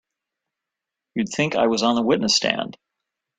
You'd think I was on the witness stand!